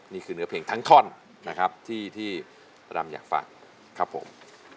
นี่คือเหนือเพลงทั้งคลที่ที่รัมอยากฟัง